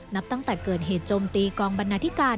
นับตั้งแต่เกิดเหตุโจมตีกองบรรณาธิการ